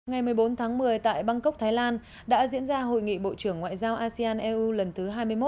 ngày một mươi bốn tháng một mươi tại bangkok thái lan đã diễn ra hội nghị bộ trưởng ngoại giao asean eu lần thứ hai mươi một